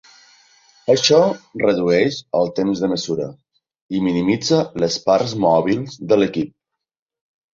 Això redueix el temps de mesura, i minimitza les parts mòbils de l'equip.